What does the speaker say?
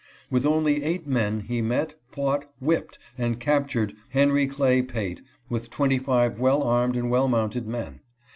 With only eight men he met, fought, whipped, and captured Henry Clay Pate with twenty five well armed and well mounted men.